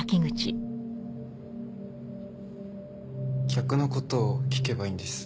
逆の事を聞けばいいんです。